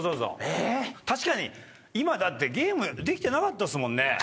確かに今だってゲームできてなかったっすもんね。